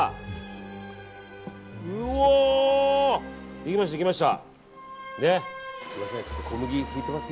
行きました、行きました。